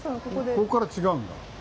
ここから違うんだ。